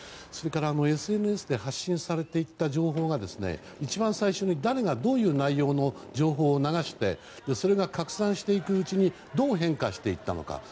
それから、ＳＮＳで発信されていった情報が一番最初に誰がどういう内容の情報を流してそれが拡散していくうちにどう変化していったのか。